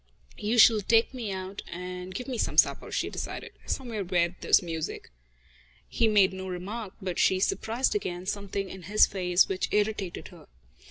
"You shall take me out and give me some supper," she decided, "somewhere where there's music." He made no remark, but she surprised again something in his face which irritated her.